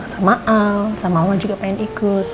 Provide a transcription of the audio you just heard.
sama al sama juga pengen ikut